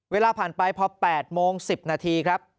เวลาผ่านไปพอ๘โมง๑๐นาทีครับ